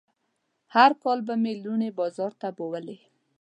هر کال به مې لوڼې بازار ته بوولې.